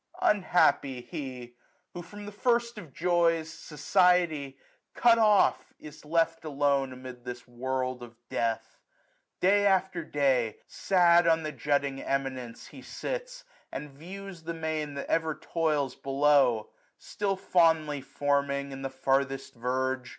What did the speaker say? Unhappy he ! who from the first of joys. Society, cut off, is left alone 940 Amid this world of death. Day after day. Sad on the jutting eminence he sits. And views the main that ever toils below ; Still fondly forming in the farthest verge.